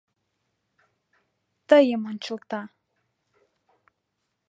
Тыйым ончылта!